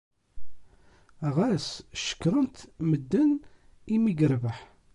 Ɣas cekkren-t medden imi i yerbeḥ.